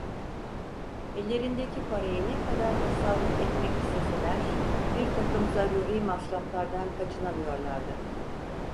Ellerindeki parayı ne kadar tasarruf etmek isteseler, birtakım zaruri masraflardan kaçınamıyorlardı.